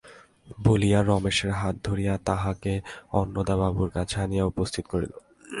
বলিয়া রমেশের হাত ধরিয়া তাহাকে অন্নদাবাবুর কাছে আনিয়া উপস্থিত করিল।